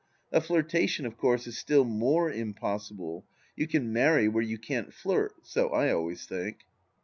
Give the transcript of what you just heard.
A flirtation, of course, is still more impossible ; you can marry where you can't flirt, so I always think.